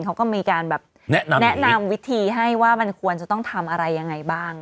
เขาก็มีการแบบแนะนำวิธีให้ว่ามันควรจะต้องทำอะไรยังไงบ้าง